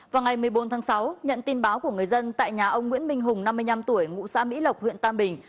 vào ngày một mươi bốn tháng sáu nhận tin báo của người dân tại nhà ông nguyễn minh hùng năm mươi năm tuổi ngụ xã mỹ lộc huyện tam bình